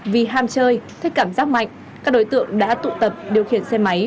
vì ham chơi thích cảm giác mạnh các đối tượng đã tụ tập điều khiển xe máy